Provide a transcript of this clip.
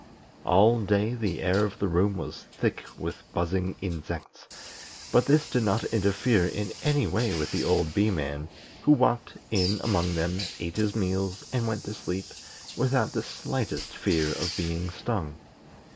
All day the air of the room was thick with buzzing insects, but this did not interfere in any way with the old Bee man, who walked in among them, ate his meals, and went to sleep, without the slightest fear of being stung.